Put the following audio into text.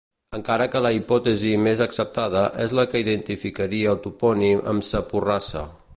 Encara que la hipòtesi més acceptada és la que identificaria el topònim amb sa Porrassa.